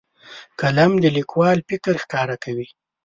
قلم د لیکوال فکر ښکاره کوي.